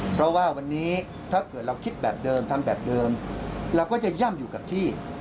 เพราะว่าวันนี้ถ้าเกิดเราคิดแบบเดิมทำแบบเดิมเราก็จะย่ำอยู่กับที่